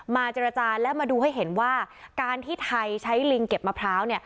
เจรจาและมาดูให้เห็นว่าการที่ไทยใช้ลิงเก็บมะพร้าวเนี่ย